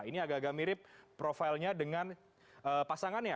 ini agak agak mirip profilnya dengan pasangannya